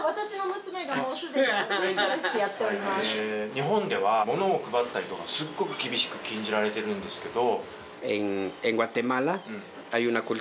日本ではものを配ったりとかすっごく厳しく禁じられているんですけど。